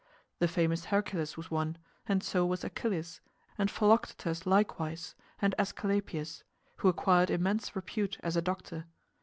The famous Hercules was one, and so was Achilles, and Philoctetes likewise, and Æsculapius, who acquired immense repute as a doctor.